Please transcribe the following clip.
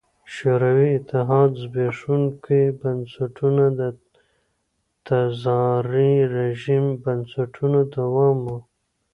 شوروي اتحاد زبېښونکي بنسټونه د تزاري رژیم بنسټونو دوام و.